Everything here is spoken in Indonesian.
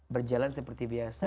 berjalan seperti biasa